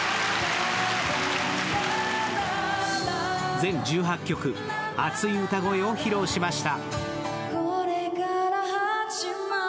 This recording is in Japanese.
全１８曲、熱い歌声を披露しました。